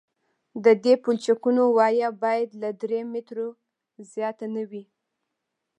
د دې پلچکونو وایه باید له درې مترو زیاته نه وي